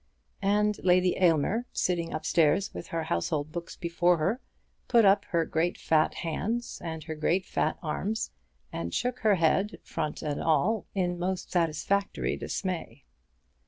And Lady Aylmer, sitting up stairs with her household books before her, put up her great fat hands and her great fat arms, and shook her head, front and all, in most satisfactory dismay.